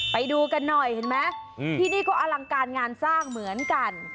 ไปดูกันหน่อยเห็นไหมที่นี่ก็อลังการงานสร้างเหมือนกัน